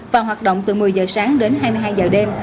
và hoạt động từ một mươi giờ sáng đến hai mươi hai giờ đêm